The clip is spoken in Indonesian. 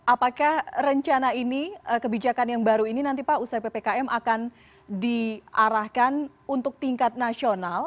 apakah rencana ini kebijakan yang baru ini nanti pak usai ppkm akan diarahkan untuk tingkat nasional